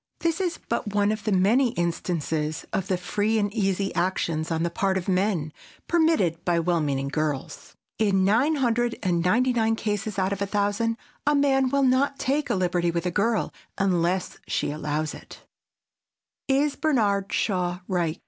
This is but one of the many instances of the free and easy actions on the part of men, permitted by well meaning girls. In nine hundred and ninety nine cases out of a thousand a man will not take a liberty with a girl unless she allows it. [Sidenote: IS BERNARD SHAW RIGHT?